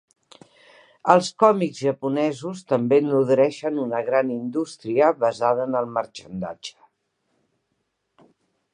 Els còmics japonesos també nodreixen una gran indústria basada en el marxandatge.